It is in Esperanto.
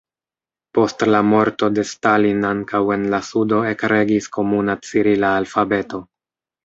Post la morto de Stalin ankaŭ en la sudo ekregis komuna cirila alfabeto.